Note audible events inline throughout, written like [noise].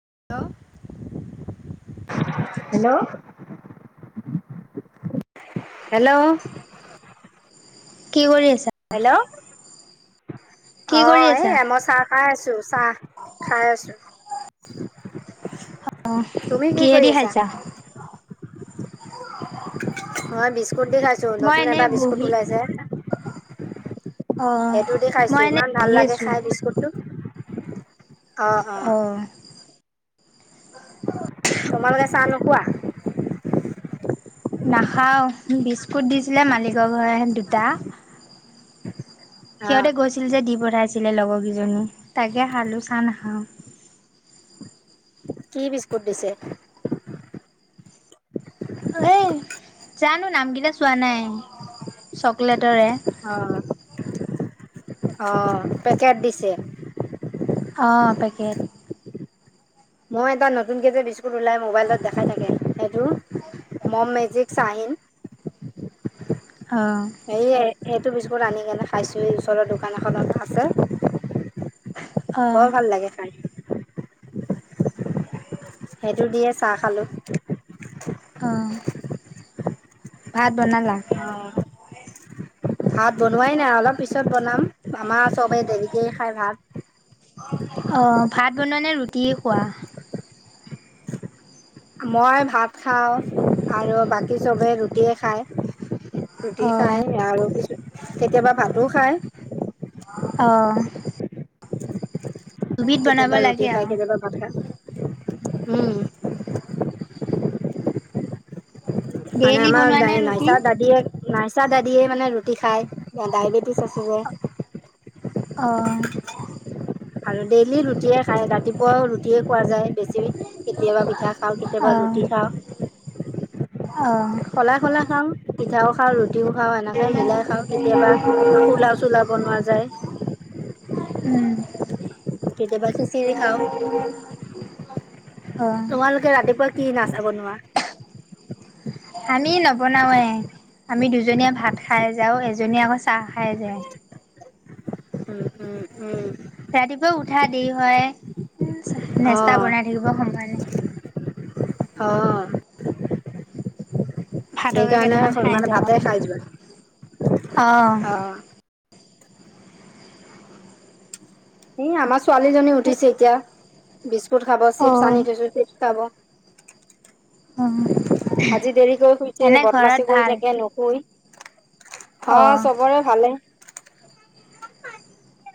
Help hello hello কি কৰি আছে? কি অ কৰি আছা? এয়া মই চাহ খাই আছো চাহ খাই আছো । [unintelligible] অ কিহে দি খাইছা । মই বিস্কুট দি খাইছো মই নতুন এনে এটা বিস্কুট বহি ওলাইছে । অ', সেইটো দি খাইছো মই এনে ইমান ভাল বহি লাগে আছো। খাই বিস্কুটো । অ অ তোমালোকে চাহ নোখোৱা? নাখাও বিস্কুট দিছিলে মালিকৰ ঘ দুটা অ সিহঁতে গৈছিল যে দি পঠাইছিলে লগৰকেইজনী তাকে খালোঁ চাহ নাখাওঁ কি বিস্কুট দিছে এ জানো নাম কেইটা চোৱা নাই চকলেটৰে । অ অ পেকেট দিছে অঁ পেকেট মই এটা নতুনকে যে বিস্কুট ওলাই মোবাইলত দেখাই থাকে সেইটো মম মেজিক খা চা চাহিন । অ এইটো বিস্কুট আন্নি কেনে খাইছোঁ এই ওচৰৰ দোকান এখনত আছে অ', বৰ ভাল লাগে খাই সেইটো দিয়ে চাহ খালোঁ । অঁ ভাত বনালা ভাত বনোৱাই নাই অলপ পিছত বনাম আমা চবে দেৰিকে খাই ভাত অ ভাত বনোৱা নে ৰুটিয়ে খোৱা মই ভাত খাওঁ আৰু বাকী চবেই ৰুটিয়ে খায় ৰুটি অ', খাই আৰু পছু কেতিয়াবা ভাতো খায় । অহ কেতিয়াবা ৰুটি লাগে খাই আৰু। কেতিয়াবা ভা খা উম মানে ডেইলি আমাৰ বনোৱা নে ৰুটি? নাইচা দাদীয়েে নাইচা দাদিয়ে মানে ৰুটি খাই ডায় বেটিচ আছে যে অঁ আৰু ডেইলি ৰুটিয়ে খায় ৰাতিপুৱা ৰুটিয়ে খোৱা যায় । বেছি কেতিয়াবা পিঠা খাও কেতিয়াবা অঁ ৰুটি খাও অঁ সলাই সলাই খাও পিঠাও খাওঁ ৰুটি দিও খাওঁ এনেকে মিলাই খাওঁ কেতিয়াবা পোলাও চোলাও বনোৱা যায় । উম কেতিয়াবা খিচিৰি খাও অঁ তোমালোকে ৰাতিপুৱা কি নাচাব নোৱাৰা আমি নবনাওঁয়ে। আমি দুজনীয়ে ভাত খাই যাওঁ এজনীয়ে আকৌ চাহ খাই যায় । উম উম উম ৰাতিপুৱা উঠা দেৰি হয় অ নেষ্টা বনাই থাকিব সময় নাই । অ ভাতকে সেইকাৰণে কেইটামান খাই মানে যাওঁ। ভাতে খাই অঁ যোৱা অ এ আমাৰ ছোৱালীজনী উঠিছে এতিয়া বিস্কুট খাব চিপছ অঁ আনি থৈছো চিপছ খাব অঁ আজি দেৰিকে এনে শুইছে ঘৰত বদমাছি কৰি ভাল? থাকে নুশুৱেই । হ অঁ চবৰে ভালে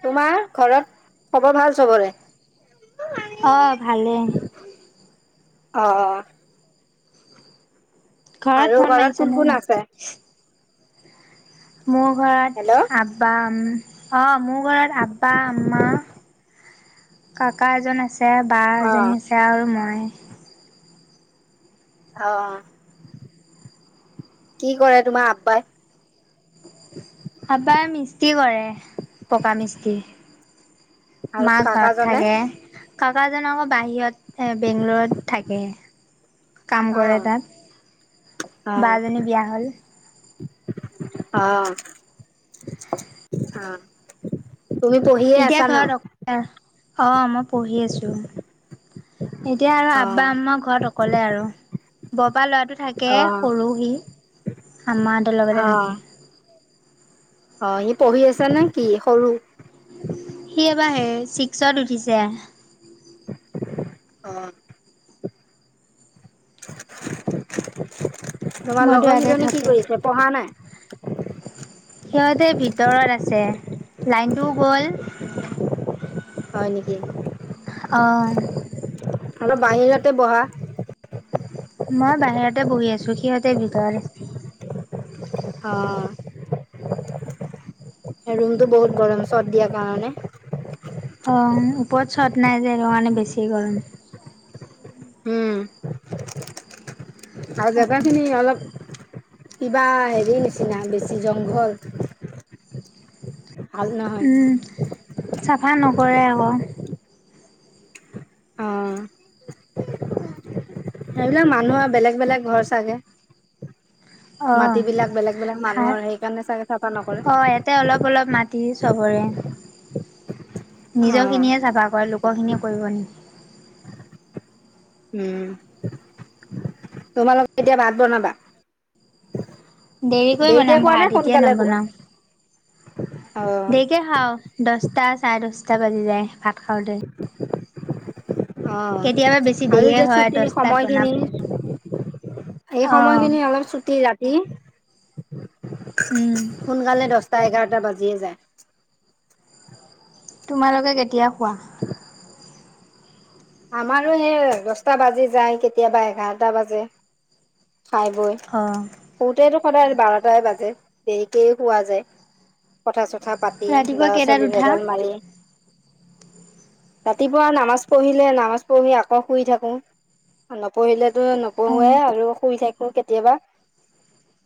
তোমাৰ ঘৰত খবৰ ভাল চবৰে । অ ভালেই অ ঘৰৰত আৰু ফোন ঘৰত মাইছ কোন নে কোন আছে নাই? মোৰ ঘৰত হেল্ল' আব্বা অ মোৰ ঘৰত আব্বা আম্মা । কাকা এজন আছে, বা অ এজনী আছে আৰু মই অ কি কৰে তোমাৰ আব্বাই? আবাৰ মিস্ত্ৰী কৰে। পকা মিস্ত্ৰী আৰু মাক ঘৰত কাকাজনে? থাকে। কাকাজন আকৌ বাহিৰত বেংগলৰত থাকে। কাম কৰে অ', তাত। অ', বাজনী বিয়া হ'ল। অহ অহ তুমি পঢ়িয়ে এতিয়া আছা ন? ঘৰত অ মই পঢ়ি আছোঁ। এতিয়া আৰু আব্বা অ', আমাৰ ঘৰত অকলে আৰু। বৰপাই ল'ৰাটো থাকে অ', সৰু সি আমাহঁতৰ লগতে অ', থাকে অ সি পঢ়ি আছে নে কি সৰু সি এবাৰ হে ছিক্সত উঠিছে। অ তোমাৰ মইতো লগৰ ইয়াতে কেইজনী কি থাকো। কৰিছে পঢ়া নাই? সিহঁতে ভিতৰত আছে লাইনটোও গ'ল। হয় নেকি? অ অলপ বাহিৰতে বহা মই বাহিৰতে বহি আছো সিহঁতে ভিতৰত আছে। অ ৰুমতো বহুত গৰম চৰ্ট দিয়াৰ কাৰণে। অ ওপৰত চৰ্ট নাই যে সেটো কাৰণে বেছি গৰম। উম আৰু জেগাখিনি অলপ কিবা হেৰি নিচিনা বেছি জংঘল। ভাল নহয়। উম, চাফা নকৰে আক। অ সেইবিলাক মানুহ আৰু বেলেগ বেলেগ ঘৰ চাগে। অ', মাটিবিলাক বেলেগ বেলেগ ভাল মানুহৰ সেইকাৰণে চাগে চাফা নকৰে। তি চবৰে অ'। নিজৰখিনিয়ে চাফা কৰে, লোকখিনিয়ে কৰিব নিকি। উম। তোমালোকে এতিয়া ভাত বনাবা। দেৰিকৈ দেৰিকে বনাম খোৱা নে ভাত এতিয়া সোনকালে খোৱা? নবনাও। অ'। দেয়িকে খাওঁ দছটা চাৰে দছটা বাজি যায় ভাত খাওঁতে। অ কেতিয়াবা বেছি আৰু দেৰিয়ে এতিয়া হয় ছুটি দছটাত বনাম, সময়খিনি এই অ', সময়খিনি অলপ ছুটি ৰা তি উম। সোনকালে দছ টা এঘাৰটা বাজিয়ে যায়। তোমালোকে কেতিয়া খোৱা? আমাৰো এই দছটা বাজি যায় কেতিয়াবা এঘাৰটা বাজে। খাই বৈ অ', শুওতেতো সদায় বাৰটাই বাজে দেৰিকেই শুৱা যায়। কথা চথা পাতি, ৰাতিপুৱা ল'ৰা কেইটাত ছোৱালী উঠা? ভেজাল মাৰি। ৰাতিপুৱা নামাজ পঢ়ি ছিলে নামাজ পঢ়ি আকৌ শুই থাকে, নপঢ়িলেতো নপঢ়োৱে অ', আৰু শুই থাক কেতিয়াবা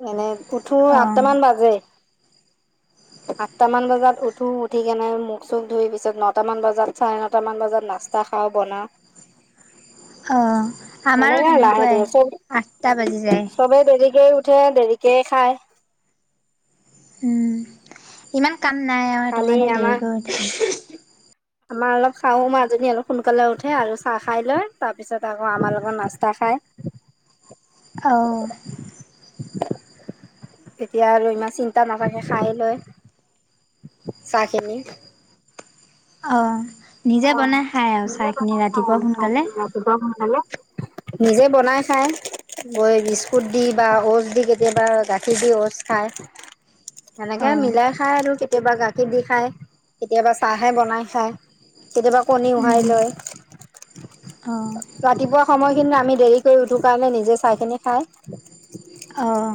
এনে উঠো অ'। আঠটামান বাজে। আঠটামান বজাত উঠো উঠি কেনে মুখ চুখ ধুৰি পিছত নটা মান বজাত চাৰে নটা মান বজাত নাস্তা অ বনাওঁ অ' আমাৰো সেনেকে লাহে সেনেকুৱাই ধীৰে আঠটা বাজি যায়। চবেই দেৰিকে উঠ ঠে দেৰিকে খায় । উম ইমান কাম নাই আও সেইটো কালি কাৰণে আমাৰ দেৰিকে উঠে। আমাৰ অলপ শাহু মা জনী অলপ সোনকালে উঠে আৰু চাহ খাই লয় তাৰ পিছত আকৌ আমাৰ লগত না্চতা খা য় । অ তেতিয়া আৰু ইমান চিন্তা নাথাকে খাই লৈ । চাহখিনি । অ নিজে অ [unintelligible] বনাই খাই আৰু চাহখিনি ৰাতিপুৱা সোনকালে। নিজে বনাই খাই গৈ বিস্কুট দি বা 'অটচ দি কে কেতিয়াবা গাখীৰ দিও অটছ খায় সেনেকে অ' মিলাই খায় আৰু কেতিয়াবা গাখীৰ দি খাই কেতিয়াবা চাহে বনাই খায় কেতিয়াবা কণী উহাই উম লয় । অ' ৰাতিপুৱা সময় কিন্তু আমি দেৰি কৰি উঠো কাৰণে নিজে চাহখিনি খাই অ'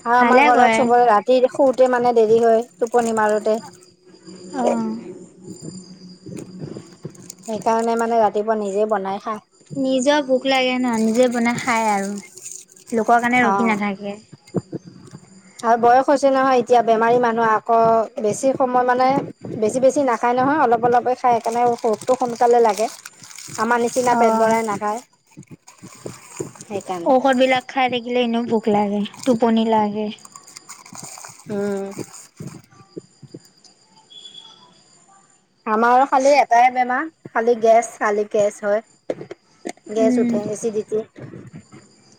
। আৰু আমাৰ ভালে ঘৰত কৰে চবৰে ৰাতিৰ শু তে মানে দেৰি হয় টোপনি মাৰোতে অ' । সেইকাৰণে মানে ৰাতিপুৱা নিজে বনাই খায় । নিজৰ ভোক লাগে ন নিজে বনাই খায় আৰু লোকৰ কাৰণে ৰখি অঁ নাথাকে আৰু বয়স হৈছে নহয় এতিয়া বেমাৰী মানুহ আকৌ বেছি সময় মানে বেছি বেছি নাখায় । খাই নহয় অলপ অলপেই খাই সেইকাৰণে ভোগটো সোনকালে লাগে । আমাৰ নিচিনা পেট অ' ভৰাই নাখায় সেইকাৰণে । খৰ বিলাক খাই থাকিলে এনেও ভোক লাগে টোপনি লাগে উম আমাৰ খালি এটাই বেমাৰ খালি গেছ খালি গছ হয় গেছ উঠে এচি দি দিয়া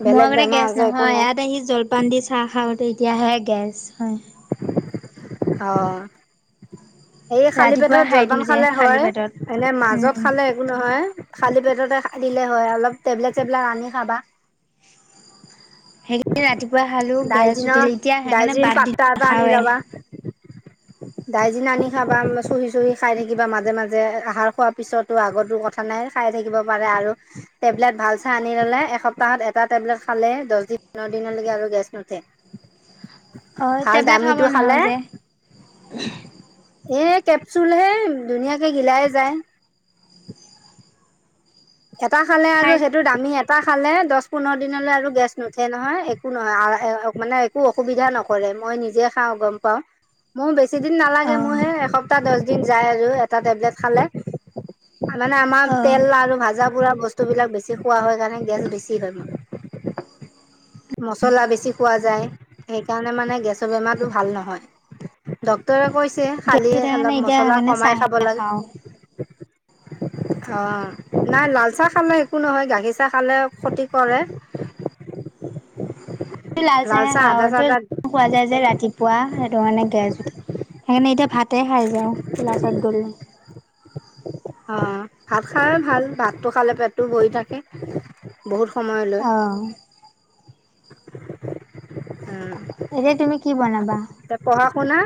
মই আগতে গেছ নহয় ইয়াত আহি জলপান দি চাহ খাওতে এতিয়াহে গেছ হয় । অহ এই খালী ৰাতিপুৱা পেটত খাই জলপান দিওঁ যে খালে খালী হয় পেটত। এনে মাজত উম, খালে একো নহয় খালী পেটতে দিলে হয় অলপ টেবলেট চেবলেট আনি খাবা । সেইখিনি ৰাতিপুৱা খালো গেছ উঠিল এতিয়া সেইকাৰণে বাদ দিলো । তাজা আনি লবা । ডাইজিন আনি খাবা চুহি চুহি খাই থাকিবা মাজে মাজে আহাৰ খোৱাৰ পিছতো আগতো কথা নাই খাই থাকিব পাৰে আৰু টেবলেট ভাল চাই আনি ললে এসপ্তাহত এটা টেবলেট খালে দহ দিন দিনলৈকে আৰু গেছ নুথে। অ টেবলেট খাব নোৱাৰো যে এ কেপচুলহে ধুনীয়াকে গিলাই যায় । এটা খালে খাই আৰু সেইটো দামী । এটা খালে দহ পোন্ধৰ দিনলৈ আৰু গেছ নুঠে নহয় একো নহয় মানে একো অসুবিধা নকৰে । মই নিজে খাওঁ গম পাওঁ মোৰ বেছি । বেছিদিন নালাগে অ', মোৰহে এসপ্তাহ দহ দিন যায় আৰু এটা টেবলেট খালে । মানে আমাৰ অ', তেল আৰু ভাজা পুৰা বস্তু বিলাক বেছি খোৱা হয় কাৰণে মে গেছ বেছি হয় মোৰ । মছলা বেছি খোৱা যায় সেইকাৰণে মানে গেছৰ বেমাৰটো ভাল নহয় । ডক্তৰে কৈছে গেছ খালি উঠা কাৰণে অলপ এতিয়া মছলা সেইকাৰণে কমাই চাহে খাব লাগে । নাখাওঁ। হয় । অঁ নাই লাল চাহ খালে একো নহয় গাখীৰ চাহ খালে ক্ষতি কৰে । [unintelligible] লাল চাহে খাওঁ চাদা খোৱা যায় যে ৰাতিপুৱা । মানে গেচ উঠে সেইকাৰণে এতিয়া ভাতে খাই যাওঁ ক্লাছত গ'লে অ ভাত খাই ভাল ভাতটো খালে পেটটো ভৰি থাকে বহুত সময়লৈ অ'। এতিয়া তুমি কি বনাবা? এ পঢ়া-শুনা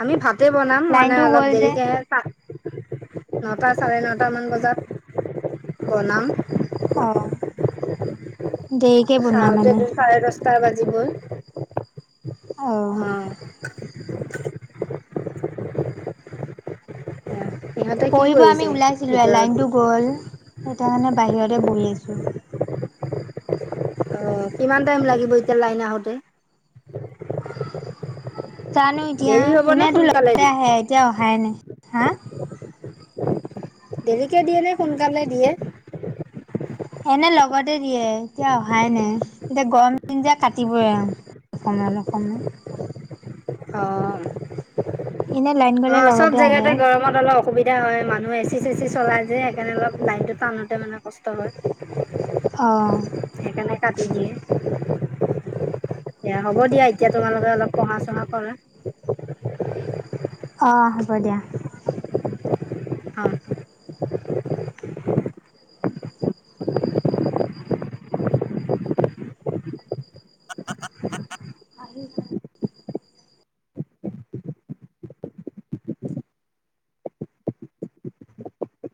আমি ভাতে বনাম মানে লাইনটো অলপ গ'ল যে দেৰিকেহে খাম নটা চাৰে নটা মান বজাত বনাম অ'। দেৰিকে বনোৱা মানে খাওতেটো চাৰে দহটা বাজিবই অ অহ পঢ়িব আমি ওলাইছিলোয়ে লাইনটো গ'ল সেইকাৰণে বাহিৰতে বহি আছোঁ অ কিমান টাইম লাগিব এতিয়া লাইন আহোতে জানো এতিয়া দেৰি হ'ব নে এনেইতো সোনকালে লগতে দি আহে এতিয়া অহাই নাই হা দেৰিকে দিয়ে নে সোনকালে দিয়ে এনে লগতে দিয়ে এতিয়া অহাই নাই এতিয়া গৰম দিন যে কাটিবই আৰু অকমান অকমান অ এনে লাইন অ গ'লে চব লগতে আহে জেগাতে গৰমত অলপ অসুবিধা ধা হয় মানুহ এ চি চে চি চলাই যে সেইকাৰণে অলপ লাইনটো টানোতে মানে কষ্ট হয় অ সেইকাৰনে কাটি দিয়ে এতিয়া হ'ব দিয়া এতিয়া তোমালোকে অলপ পঢ়া চহা কৰা অঁ হ'ব দিয়া অ [unintelligible]